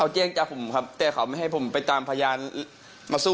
แจ้งความกลับยายด้วย